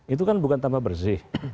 itu kan bukan tambah bersih